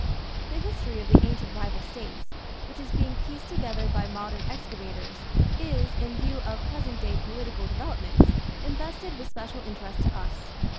The history of the ancient rival States, which is being pieced together by modern excavators, is, in view of present day political developments, invested with special interest to us.